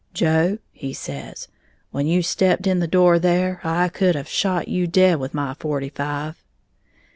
Joe,' he says, 'when you stepped in the door there, I could have shot you dead with my forty five.'